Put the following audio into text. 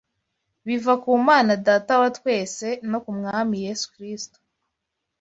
biva ku Mana Data wa twese no ku Mwami Yesu Kristo